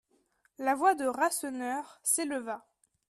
La voix de Rasseneur s'éleva.